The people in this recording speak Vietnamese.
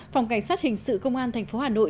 phòng cảnh sát hình sự công an thành phố hà nội